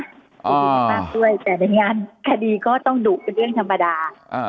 สุขภาพด้วยแต่ในงานคดีก็ต้องดุเป็นเรื่องธรรมดา